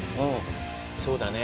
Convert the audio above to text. そうだね。